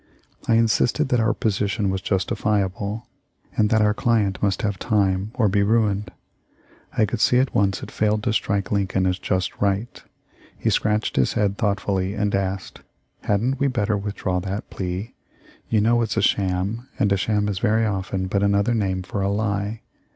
I insisted that our position was justifiable, and that our client must have time or be ruined. I could see at once it failed to strike Lincoln as just right. He scratched his head thoughtfully and asked, "Hadn't we better withdraw that plea? You know it's a sham, and a sham is very often but another name for a lie.